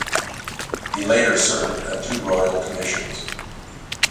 He later served on two Royal Commissions.